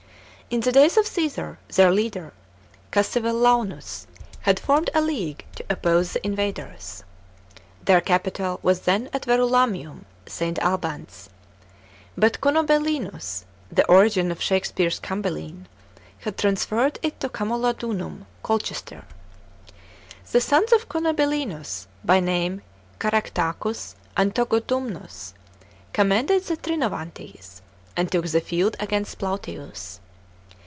In the days of Csesar, their leader, Cassivel launus, had formed a league to oppose the invaders. Their capital was then at Verulamium (St. Albans), but Cunobellinus — the origin of Shakespeare's Cymbeline — had transferred it to Camalo .dununi (Colchester). The sons of Cunobellinus, by name Caractacus f and Togodumnus, commanded the Trinovantes, and took the field against Plautius.